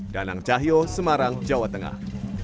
danang cahyo semarang jawa tengah